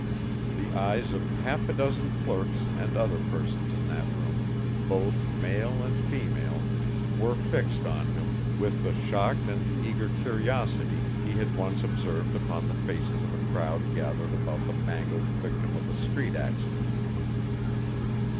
The eyes of half a dozen clerks and other persons in that room, both male and female, were fixed on him with the shocked and eager curiosity he had once observed upon the faces of a crowd gathered about the mangled victim of a street accident.